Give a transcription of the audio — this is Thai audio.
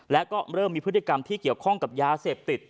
และก็เริ่มมีพฤติกรรมที่เกี่ยวข้องกับยาเสพติด